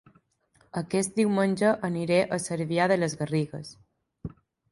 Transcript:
Aquest diumenge aniré a Cervià de les Garrigues